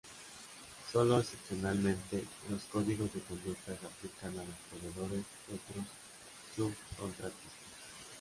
Solo excepcionalmente, los códigos de conducta se aplican a los proveedores y otros subcontratistas.